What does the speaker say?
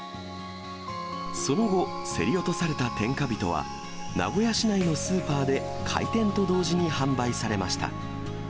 その後、競り落とされた天下人は、名古屋市内のスーパーで開店と同時に販売されました。